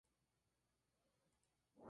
Fue declarada culpable de homicidio simple.